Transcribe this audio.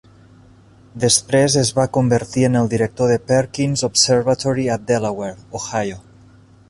Després es va convertir en el director de Perkins Observatory a Delaware, Ohio.